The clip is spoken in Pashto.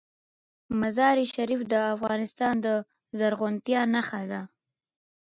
مزارشریف د افغانستان د زرغونتیا نښه ده.